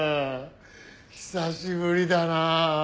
久しぶりだな。